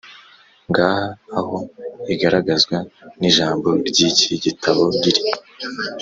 ngaha aho igaragazwa n ijambo ry iki gitabo riri